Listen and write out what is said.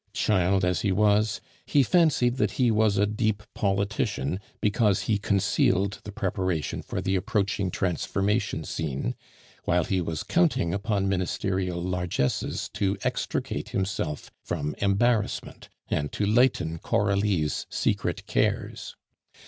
Child as he was, he fancied that he was a deep politician because he concealed the preparation for the approaching transformation scene, while he was counting upon Ministerial largesses to extricate himself from embarrassment and to lighten Coralie's secret cares.